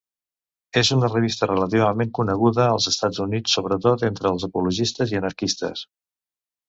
És una revista relativament coneguda als Estats Units, sobretot entre els ecologistes i anarquistes.